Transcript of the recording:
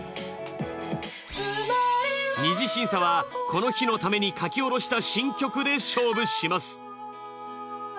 二次審査はこの日のために書き下ろした新曲で勝負します。